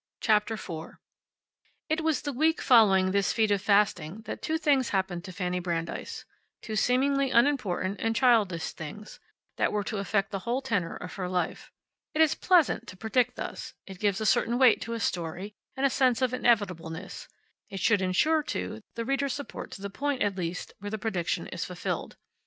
CHAPTER FOUR It was the week following this feat of fasting that two things happened to Fanny Brandeis two seemingly unimportant and childish things that were to affect the whole tenor of her life. It is pleasant to predict thus. It gives a certain weight to a story and a sense of inevitableness. It should insure, too, the readers's support to the point, at least, where the prediction is fulfilled.